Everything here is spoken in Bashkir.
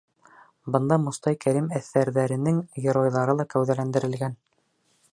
Бында Мостай Кәрим әҫәрҙәренең геройҙары ла кәүҙәләндерелгән.